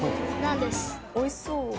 おいしそう。